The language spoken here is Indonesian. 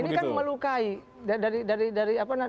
nah ini kan melukai dari proses yang terjadi